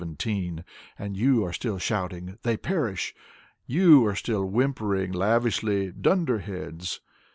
And you are still shouting: They perish! You are still whimpering lavishly. Dunderheads